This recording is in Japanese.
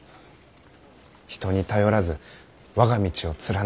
人に頼らず我が道を貫く。